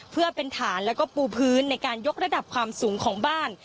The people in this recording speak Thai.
เพื่อเป็นฐานแล้วก็ปูพื้นในการยกระดับความสูงของบ้าน